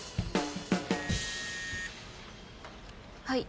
はい。